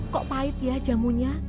kok pahit ya jamunya